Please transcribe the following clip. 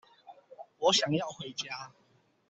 我想要回家